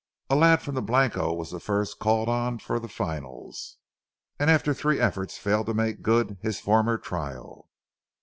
A lad from the Blanco was the first called for on the finals, and after three efforts failed to make good his former trial.